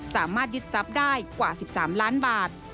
สามารถยึดทรัพย์ได้กว่า๑๓ล้านบาท